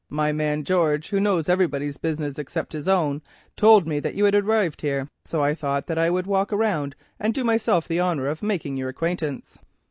My man George, who knows everybody's business except his own, told me that you had arrived here, so I thought I would walk round and do myself the honour of making your acquaintance."